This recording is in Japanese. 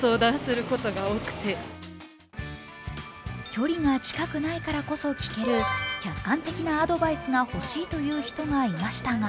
距離が近くないからこそ聞ける客観的なアドバイスが欲しいいという人がいましたが